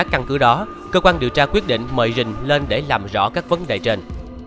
căn cứ đó cơ quan điều tra quyết định mời rình lên để làm rõ các vấn đề trên